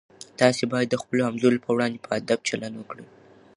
تاسي باید د خپلو همزولو په وړاندې په ادب چلند وکړئ.